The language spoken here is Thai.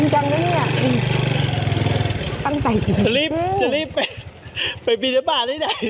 จริงจังนะเนี่ยตั้งใจจริงจะรีบจะรีบไปไปบินทบาทได้ไหน